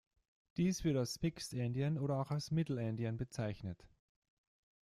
Dies wird als "Mixed-Endian" oder auch als Middle-Endian bezeichnet.